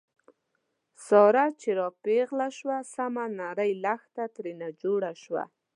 ساره چې را پېغله شوه، سمه نرۍ لښته ترېنه جوړه شوه.